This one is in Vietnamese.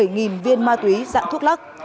nghiêm viên ma túy dạng thuốc lắc